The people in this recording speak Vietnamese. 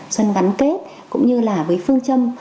xuân gắn kết cũng như là với phương châm